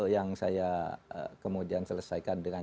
yang saya kemudian selesaikan dengan